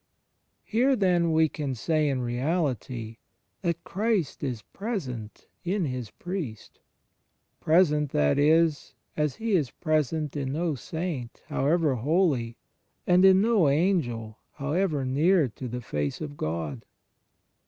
... Here, then, we can say in reahty, that Christ is present in His Priest — present, that is, as He is present in no saint, however holy, and in no angel, however near to the Face of God.